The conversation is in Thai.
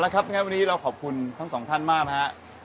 เอาละครับท่านครับวันนี้เราขอบคุณทั้งสองท่านมากนะครับ